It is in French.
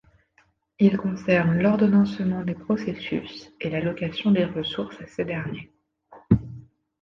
Il concerne l'ordonnancement des processus et l'allocation des ressources à ces derniers.